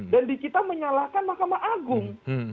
dan kita menyalahkan mahkamah agung